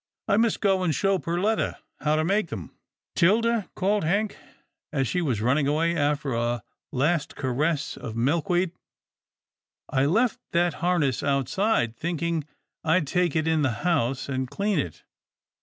I must go and show Perletta how to make them." " 'Tilda," called Hank as she was running away, after a last caress of Milkweed. " I left that har ness outside, thinking I'd take it in the house and clean it.